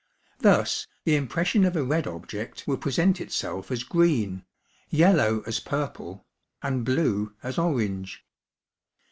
Thus the impression of a red object will present itself as green; yellow as purple; and blue as orange.